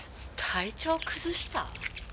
体調崩した？